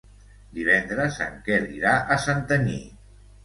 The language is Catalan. Divendres en Quer irà a Santanyí.